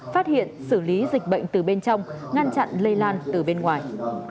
phát hiện xử lý dịch bệnh từ bên trong ngăn chặn lây lan từ bên ngoài